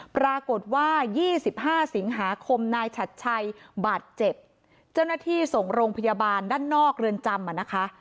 ปรากฏว่า๒๕สิงหาคมนายฉัดชัยบาดเจ็บเจ้าหน้าที่ส่งโรงพยาบาลด้านนอกเรือนจำอ่ะนะคะ